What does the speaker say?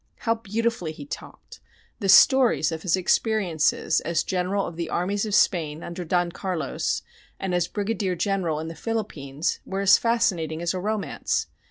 How beautifully he talked! The stories of his experiences as General of the armies of Spain under Don Carlos and as Brigadier General in the Philippines were as fascinating as a romance.